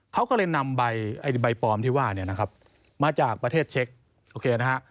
เขาก็เลยนำใบปลอมที่ว่ามาจากประเทศเช็ค